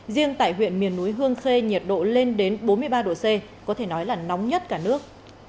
riêng tại huyện miền núi hương khê nhiệt độ lên đến bốn mươi ba độ c có thể nói là nóng nhất cả nước